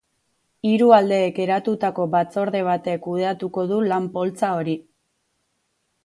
Hiru aldeek eratutako batzorde batek kudeatuko du lan-poltsa hori.